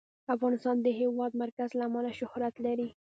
افغانستان د د هېواد مرکز له امله شهرت لري.